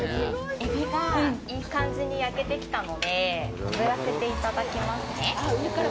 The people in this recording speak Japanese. エビがいい感じに焼けてきたのであぶらせていただきますね。